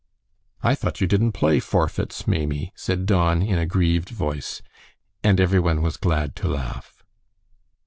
"I thought you didn't play forfeits, Maimie," said Don, in a grieved voice. And every one was glad to laugh.